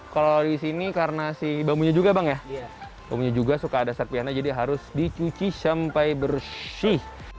kalau di sini karena si bambunya juga bang ya bambunya juga suka ada serpihannya jadi harus dicuci sampai bersih